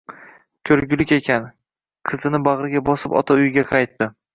Ko`rgulik ekan, qizini bag`riga bosib ota uyiga qaytdi